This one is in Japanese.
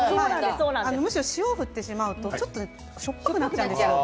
むしろ塩を振ってしまうとしょっぱくなっちゃうんですよ。